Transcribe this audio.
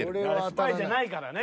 スパイじゃないからね。